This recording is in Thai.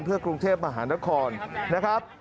เพื่อกรุงเทพมหานครนะครับ